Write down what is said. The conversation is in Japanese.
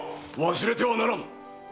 忘れてはならぬ！